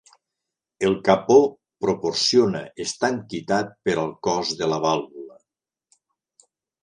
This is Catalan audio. El capó proporciona estanquitat per al cos de la vàlvula.